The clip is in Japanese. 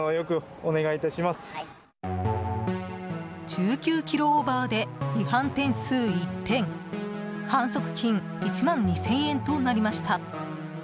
１９キロオーバーで違反点数１点反則金１万２０００円となりました。